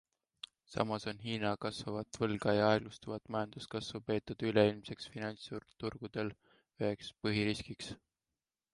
Samas on Hiina kasvavat võlga ja aeglustuvat majanduskasvu peetud üleilmselt finantsturgudel üheks põhiriskiks.